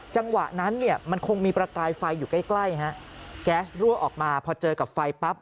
จังหวะนั้นเนี่ยมันคงมีประกายไฟอยู่ใกล้ใกล้ฮะแก๊สรั่วออกมาพอเจอกับไฟปั๊บ